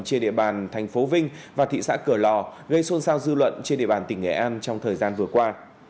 trên địa bàn thành phố vinh và thị xã cửa lò gây xôn xao dư luận trên địa bàn tỉnh nghệ an trong thời gian vừa qua